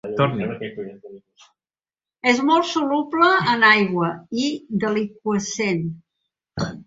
És molt soluble en aigua i deliqüescent.